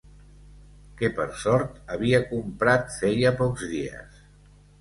Que per sort havia comprat feia pocs dies